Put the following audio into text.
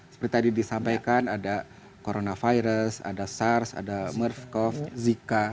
seperti tadi disampaikan ada coronavirus ada sars ada merv cov zika